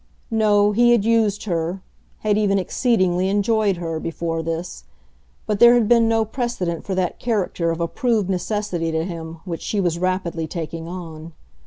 No, he had used her, had even exceedingly enjoyed her, before this; but there had been no precedent for that character of a proved necessity to him which she was rapidly taking on.